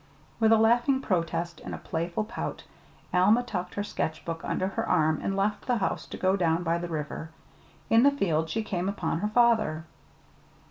With a laughing protest and a playful pout, Alma tucked her sketchbook under her arm and left the house to go down by the river. In the field she came upon her father.